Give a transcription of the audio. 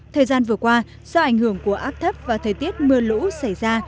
thời gian vừa qua do ảnh hưởng của áp thấp và thời tiết mưa lũ xảy ra